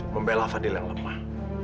membela fadil yang lemah